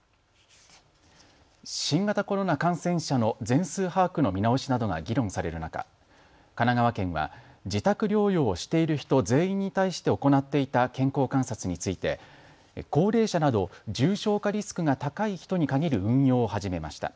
新型コロナ感染者の全数把握の見直しなどが議論される中、神奈川県は自宅療養をしている人全員に対して行っていた健康観察について高齢者など重症化リスクが高い人に限る運用を始めました。